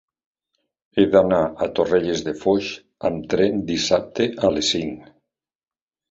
He d'anar a Torrelles de Foix amb tren dissabte a les cinc.